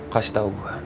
kasih tau gue